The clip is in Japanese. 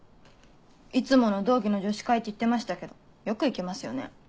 いつもの同期の女子会って言ってましたけどよく行けますよね。